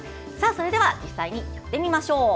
それでは実際にやってみましょう。